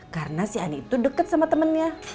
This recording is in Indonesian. karena si ani itu deket sama temennya